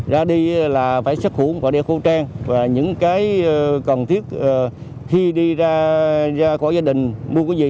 ra đi là phải sắc khủng và đeo khẩu trang và những cái cần thiết khi đi ra khỏi gia đình mua cái gì